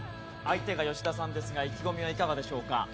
相手が吉田さんですが意気込みはいかがでしょうか。